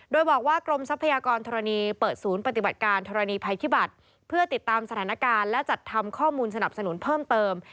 โดยบอกว่ากรมทรัพยากรธรณีเปิดศูนย์ปฏิบัติการธรณีภัยพิบัติเพื่อติดตามสถานการณ์และจัดทำข้อมูลสนับสนุนเพิ่มเติม